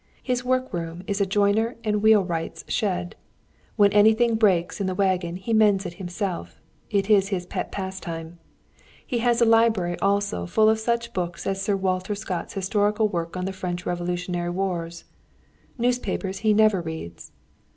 His work room is a joiner and wheelwright's shed; when anything breaks in the wagon he mends it himself: it is his pet pastime. He has a library also, full of such books as Sir Walter Scott's historical work on the French Revolutionary Wars. Newspapers he never reads.